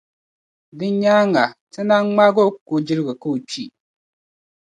Din nyaaŋa, Ti naan ŋmaagi o kukojilgu ka o kpi.